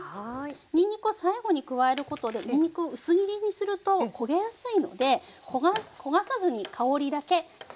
にんにくを最後に加えることでにんにくを薄切りにすると焦げやすいので焦がさずに香りだけつけることができます。